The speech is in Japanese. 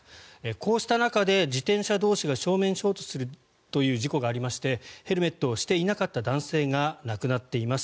こうした中で自転車同士が正面衝突するという事故がありましてヘルメットをしていなかった男性が亡くなっています。